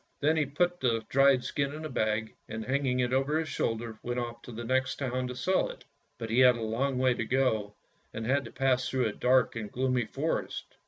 Then he put the dried skin into a bag, and hanging it over his shoulder went off to the next town to sell it. But he had a long way to go, and had to pass through a dark and gloomy forest.